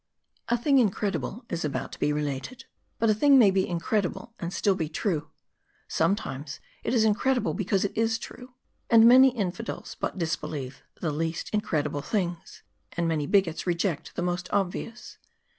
A THING incredible is about to be related ; but a thing may be incredible and still be true ; sometimes it is incredi ble because it is true. And many infidels but disbelieve the least incredible things ; and many bigots reject the most ob vious.